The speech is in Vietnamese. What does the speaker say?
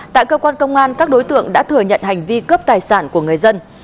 tại cơ quan công an các đối tượng đã thừa nhận hành vi cướp tài sản của người dân